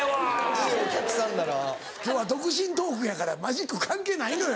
・いいお客さんだな・今日は独身トークやからマジック関係ないのよ。